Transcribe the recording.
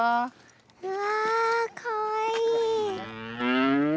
うわかわいい。